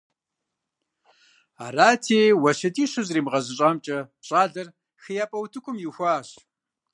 Арати уэсятищыр зэримыгъэзэщӀамкӏэ щӀалэр ХеяпӀэ утыкӀум ихуащ.